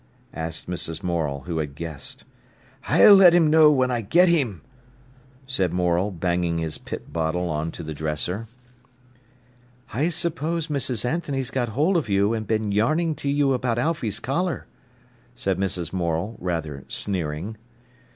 asked Mrs. Morel, who had guessed. "I'll let 'im know when I get him," said Morel, banging his pit bottle on to the dresser. "I suppose Mrs. Anthony's got hold of you and been yarning to you about Alfy's collar," said Mrs. Morel, rather sneering.